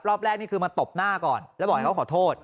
รอบแรกนี่คือมาตบหน้าก่อนแล้วบอกให้เขาขอโทษ